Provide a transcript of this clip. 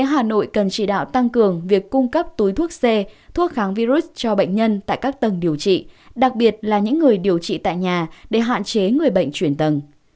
hà nội cần chỉ đạo tăng cường việc cung cấp túi thuốc c thuốc kháng virus cho bệnh nhân tại các tầng điều trị đặc biệt là những người điều trị tại nhà để hạn chế người bệnh chuyển tầng